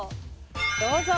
どうぞ！